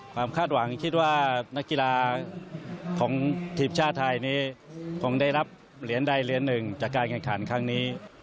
คาดหวังคิดว่านักกีฬาของทีมชาติไทยนี้คงได้รับเหรียญใดเหรียญหนึ่งจากการแข่งขันครั้งนี้